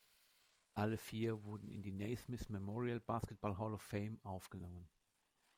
Alle vier wurden in die Naismith Memorial Basketball Hall of Fame aufgenommen.